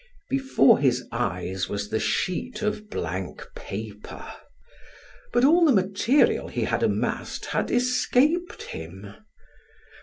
Before his eyes was the sheet of blank paper, but all the material he had amassed had escaped him.